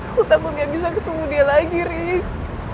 aku tak mau gak bisa ketemu dia lagi riz